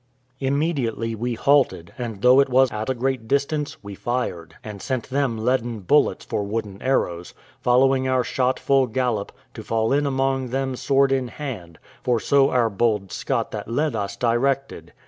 Immediately we halted, and though it was at a great distance, we fired, and sent them leaden bullets for wooden arrows, following our shot full gallop, to fall in among them sword in hand for so our bold Scot that led us directed.